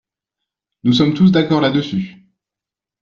Nous sommes tous d’accord là-dessus.